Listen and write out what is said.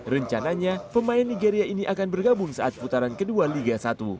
rencananya pemain nigeria ini akan bergabung saat putaran kedua liga satu